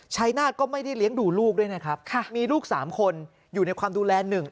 ชายนาฏก็ไม่ได้เลี้ยงดูลูกด้วยนะครับมีลูก๓คนอยู่ในความดูแลหนึ่ง